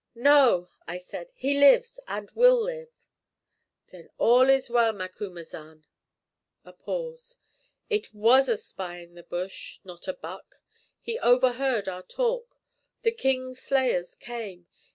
"No," I said, "he lives, and will live." "Then all is well, Macumazahn." (A pause.) "It was a spy in the bush, not a buck. He overheard our talk. The king's slayers came.